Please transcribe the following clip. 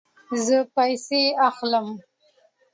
زه پیسې اخلم